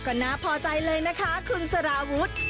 ก็น่าพอใจเลยนะคะคุณสารวุฒิ